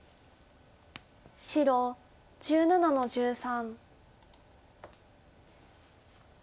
白１７の十三。